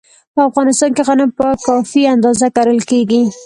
په افغانستان کې غنم په کافي اندازه کرل کېږي.